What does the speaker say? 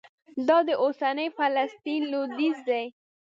دا د اوسني فلسطین لوېدیځ دی.